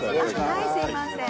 はいすいません。